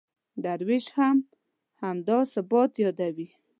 درویش هم همدا ثبات یادوي.